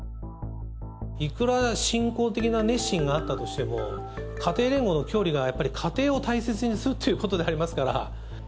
いくら信仰的な熱心があったとしても、家庭連合の教義がやはり家庭を大切にするということでありますか